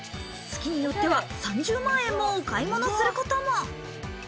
月によっては３０万円もお買い物することも。